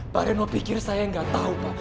pak rino pikir saya gak tahu pak